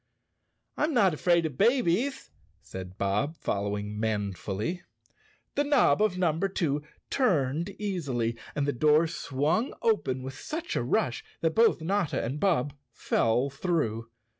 " I'm not afraid of babies," said Bob following man¬ fully. The knob of Number Two turned easily and the door swung open with such a rush that both Notta and Bob fell through.